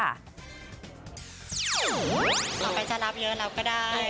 ต่อไปจะรับเยอะรับก็ได้